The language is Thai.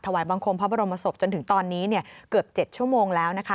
ถวายบังคมพระบรมวสกฎจนถึงตอนนี้เกือบ๗ชั่วโมงแล้ว